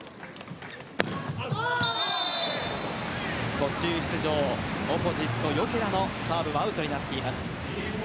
途中出場、オポジット・ヨケラのサーブはアウトになっています。